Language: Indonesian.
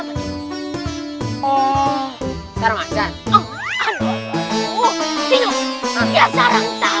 oh sekarang ajar